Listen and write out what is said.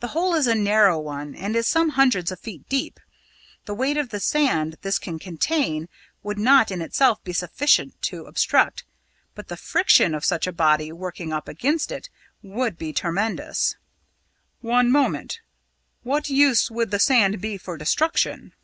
The hole is a narrow one, and is some hundreds of feet deep. The weight of the sand this can contain would not in itself be sufficient to obstruct; but the friction of such a body working up against it would be tremendous." "One moment. What use would the sand be for destruction?"